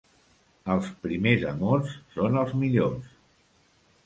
Els primers amors són els millors.